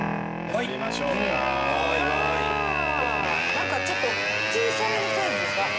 何かちょっと小さめのサイズですか？